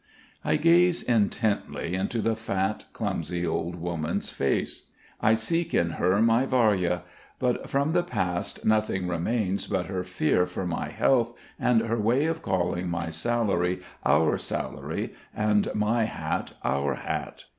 I gaze intently into the fat, clumsy old woman's face. I seek in her my Varya; but from the past nothing remains but her fear for my health and her way of calling my salary "our" salary and my hat "our" hat.